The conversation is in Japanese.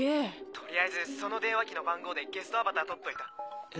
取りあえずその電話機の番号でゲストアバター取っといた。